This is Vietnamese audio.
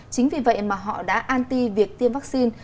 chính vì vậy mà họ đã anti việc tiêm vắc xin